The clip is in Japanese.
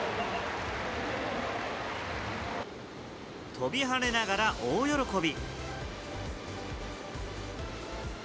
飛び跳ねながら大喜び。